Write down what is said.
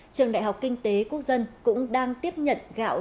trường đại học kinh tế quốc dân cũng đang tiếp nhận gạo